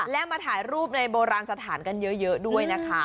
และมาถ่ายรูปในโบราณสถานกันเยอะด้วยนะคะ